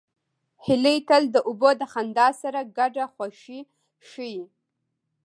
هیلۍ تل د اوبو د خندا سره ګډه خوښي ښيي